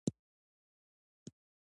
څومره تا دلدار جانان کړم رب څومره